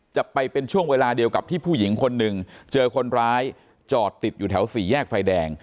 จะเป็นช่วงเวลาเดียวกับที่ผู้หญิงคนหนึ่งเจอคนร้ายจอดติดอยู่แถวสี่แยกไฟแดง